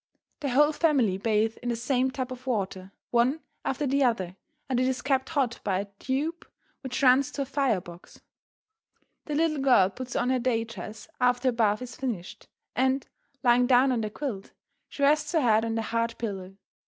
The whole family bathe in the same tub of water, one after the other, and it is kept hot by a tube which runs to a fire box. The little girl puts on her day dress after her bath is finished, and, lying down on the quilt, she rests her head on the hard pillow.